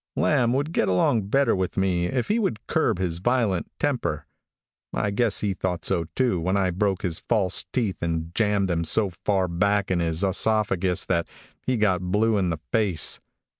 Lamb would get along better with me if he would curb his violent temper. I guess he thought so, too, when I broke his false teeth and jammed them so far back into his oesophagus that he got blue in the face.